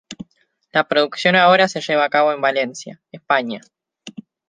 La producción ahora se lleva a cabo en Valencia, España.